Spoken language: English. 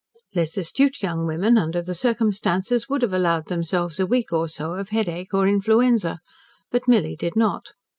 Less astute young women, under the circumstances, would have allowed themselves a week or so of headache or influenza, but Milly did not.